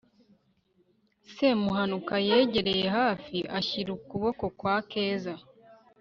semuhanuka yegereye hafi, ashyira ukuboko kwa keza